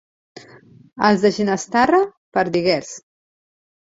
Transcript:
Els de Ginestarre, perdiguers.